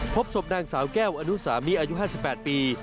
พบศพนางสาวแก้วอนุสามีอายุ๕๘ปี